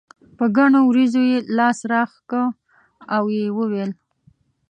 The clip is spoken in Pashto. په ګڼو وريځو یې لاس راښکه او یې وویل.